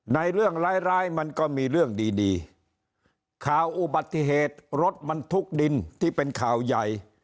เรื่องร้ายร้ายมันก็มีเรื่องดีดีข่าวอุบัติเหตุรถบรรทุกดินที่เป็นข่าวใหญ่